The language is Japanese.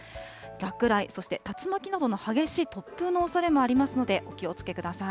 落雷、そして竜巻などの激しい突風のおそれもありますので、お気をつけください。